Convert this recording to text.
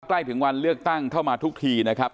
ใกล้ถึงวันเลือกตั้งเข้ามาทุกทีนะครับ